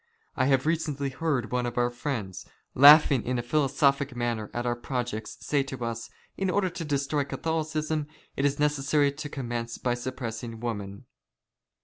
I have recently " heard one of our friends, laughing in a philosophic manner at *^ our projects, say to us : "in order to destroy Catholicism it is " necessary to commence by suppressing woman."